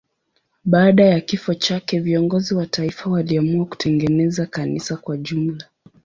Baada ya kifo chake viongozi wa taifa waliamua kutengeneza kanisa kwa jumla.